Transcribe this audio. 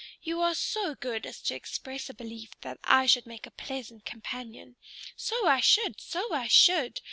You are so good as to express a belief that I should make a pleasant companion. So I should! so I should!